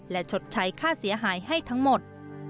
และชดใช้ค่าเสียหายให้ทั้งหมด